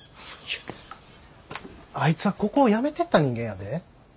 あいつはここを辞めてった人間やで。